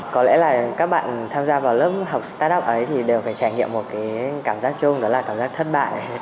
có lẽ là các bạn tham gia vào lớp học start up ấy thì đều phải trải nghiệm một cái cảm giác chung đó là cảm giác thất bại